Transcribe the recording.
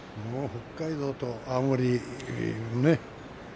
北海道と青森ね。